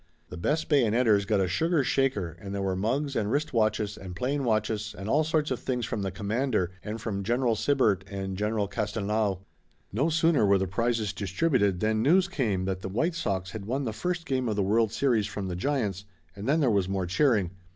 The best bayoneters got a sugar shaker and there were mugs and wrist watches and plain watches and all sorts of things from the commander and from General Sibert and General Castelnau. No sooner were the prizes distributed than news came that the White Sox had won the first game of the world series from the Giants and then there was more cheering.